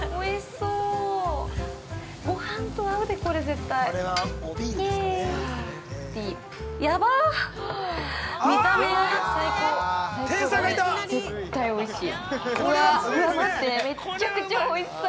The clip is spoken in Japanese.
うわ、待って、めちゃくちゃおいしそう。